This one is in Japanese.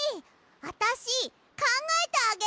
あたしかんがえてあげる！